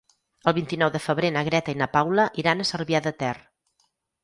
El vint-i-nou de febrer na Greta i na Paula iran a Cervià de Ter.